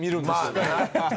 ハハハハ！